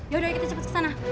yaudah kita cepet kesana